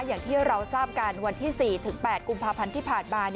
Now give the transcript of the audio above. อย่างที่เราทราบกันวันที่๔๘กุมภาพันธ์ที่ผ่านมา